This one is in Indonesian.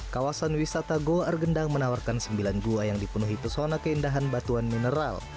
kawasan wisata goa argendang menawarkan sembilan gua yang dipenuhi pesona keindahan batuan mineral